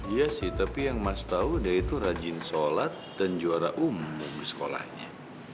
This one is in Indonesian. iya sih tapi yang mas tahu dia itu rajin sholat dan juara umum di sekolahnya